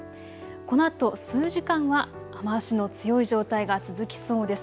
このあと数時間は雨足の強い状態が続きそうです。